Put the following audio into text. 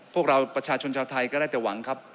พวกเราประชาชนชาวไทยก็ได้แต่หวังครับ